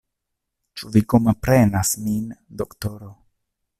Ĉu vi komprenas min, doktoro?